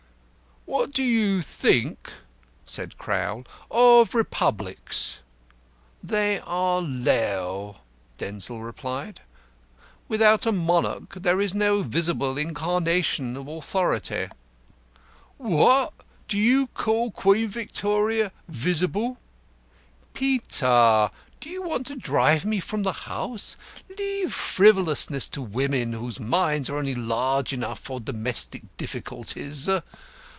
"What do you think," said Crowl, "of Republics?" "They are low," Denzil replied. "Without a Monarch there is no visible incarnation of Authority." "What! do you call Queen Victoria visible?" "Peter, do you want to drive me from the house? Leave frivolousness to women, whose minds are only large enough for domestic difficulties.